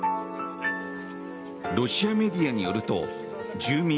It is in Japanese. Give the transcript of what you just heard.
ロシアメディアによると住民